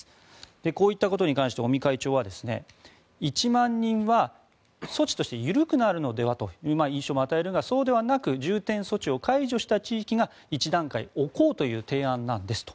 こういったことに関して尾身会長は１万人は措置として緩くなるのではという印象も与えるがそうではなく重点措置を解除した地域が１段階置こうという提案なんですと。